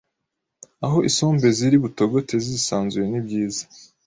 aho isombe ziri butogote zisanzuye ni byiza